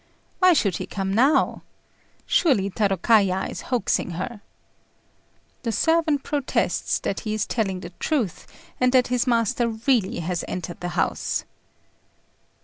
Why should he come now? Surely Tarôkaja is hoaxing her. The servant protests that he is telling the truth, and that his master really has entered the house.